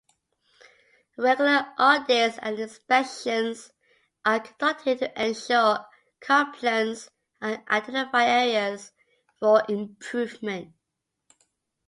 Regular audits and inspections are conducted to ensure compliance and identify areas for improvement.